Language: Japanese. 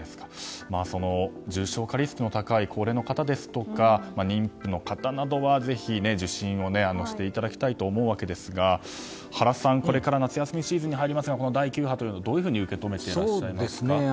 重症化リスクの高い高齢の方ですとか妊婦の方などはぜひ受診をしていただきたいと思うわけですが原さん、これから夏休みシーズンに入りますが第９波というのをどう受け止めていらっしゃいますか。